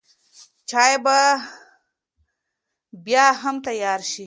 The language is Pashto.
چای به بیا هم تیار شي.